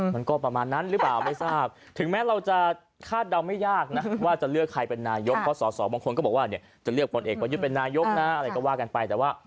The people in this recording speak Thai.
มันก็ประมาณนั้นหรือเปล่าไม่ทราบถึงแม้เราจะคาดเดาไม่ยากนะว่าจะเลือกใครเป็นนายกเพราะสอสอบางคนก็บอกว่าเนี่ยจะเลือกผลเอกประยุทธ์เป็นนายกนะอะไรก็ว่ากันไปแต่ว่า